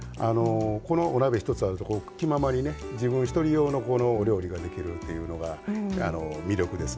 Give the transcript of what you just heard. このお鍋一つあると気ままに自分１人用のお料理ができるっていうのが魅力です。